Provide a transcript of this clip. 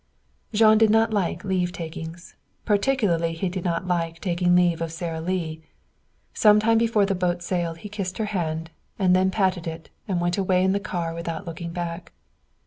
Jean did not like leave takings. Particularly he did not like taking leave of Sara Lee. Some time before the boat sailed he kissed her hand, and then patted it and went away in the car without looking back.